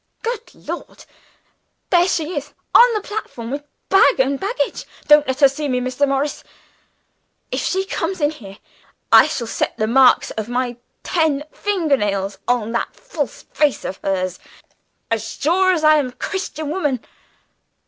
Good Lord! there she is on the platform with bag and baggage. Don't let her see me, Mr. Morris! If she comes in here, I shall set the marks of my ten finger nails on that false face of hers, as sure as I am a Christian woman."